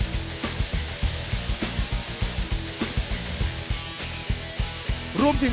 แกร่งจริง